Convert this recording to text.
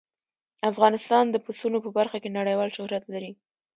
افغانستان د پسونو په برخه کې نړیوال شهرت لري.